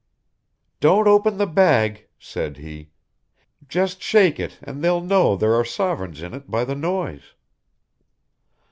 "Don't open the bag," said he, "just shake it and they'll know there are sovereigns in it by the noise."